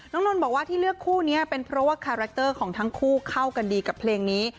นนท์บอกว่าที่เลือกคู่นี้เป็นเพราะว่าคาแรคเตอร์ของทั้งคู่เข้ากันดีกับเพลงนี้